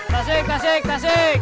tasik tasik tasik